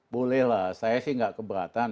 bolehlah saya sih nggak keberatan